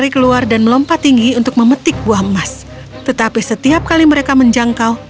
ibu dan kedua putrinya berkata